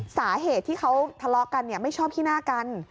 สาเหตุที่เขาทะเลาะกันไม่ชอบขี้หน้ากัน